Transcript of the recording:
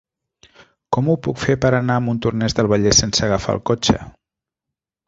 Com ho puc fer per anar a Montornès del Vallès sense agafar el cotxe?